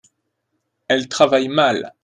elle travaille mal.